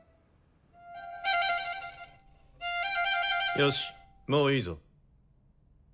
よしもういいぞ。